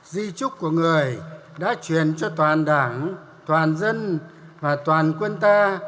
di trúc của người đã truyền cho toàn đảng toàn dân và toàn quân ta